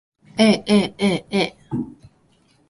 aaaa